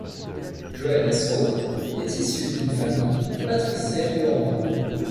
Johannes Rode est issu d'une famille patricienne de Hambourg.